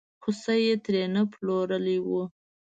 خوسی یې ترې نه پلورلی و.